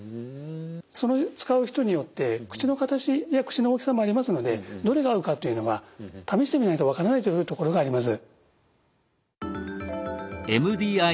その使う人によって口の形や口の大きさもありますのでどれが合うかっていうのは試してみないと分からないというところがあります。